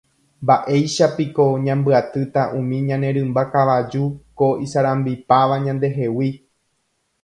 Mba'éichapiko ñambyatýta umi ñane rymba kavaju ko isarambipáva ñandehegui.